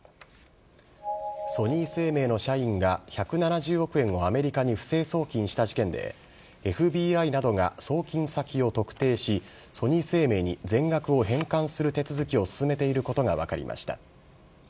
ソニー生命の社員が、１７０億円をアメリカに不正送金した事件で、ＦＢＩなどが送金先を特定し、ソニー生命に全額を返還する手続きを進めていることが分かりました。